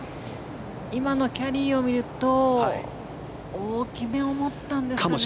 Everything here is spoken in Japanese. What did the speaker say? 今のキャリーを見ると大きめを持ったんですかね。